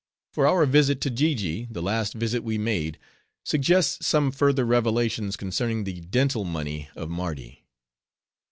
For our visit to Jiji, the last visit we made, suggests some further revelations concerning the dental money of Mardi.